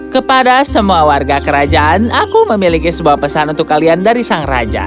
kepada semua warga kerajaan aku memiliki sebuah pesan untuk kalian dari sang raja